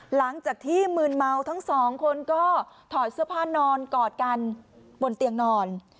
หลังจากที่มืนเมาทั้งสองคนก็ถอดเสื้อผ้านอนกอดกันบนเตียงนอน